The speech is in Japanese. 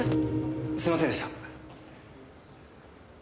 すいませんでした。